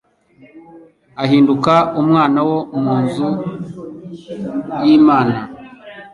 ahinduka umwana wo mu nzu y'Imana.